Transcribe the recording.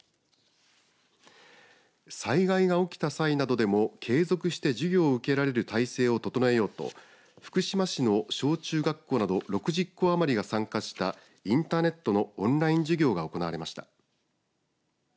災害が起きた際などでも継続して授業を受けられる体制を整えようと福島市の小中学校など６０校余りが参加したインターネットのオンライン授業が行われました。